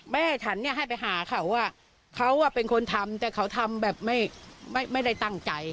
แม่ฉันเนี่ยให้ไปหาเขาว่าเขาเป็นคนทำแต่เขาทำแบบไม่ได้ตั้งใจ